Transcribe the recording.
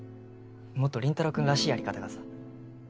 もっと林太郎君らしいやり方がさ。